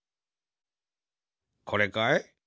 これかい？